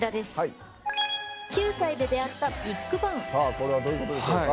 これはどういうことでしょうか？